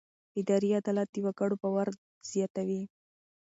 اداري عدالت د وګړو باور زیاتوي.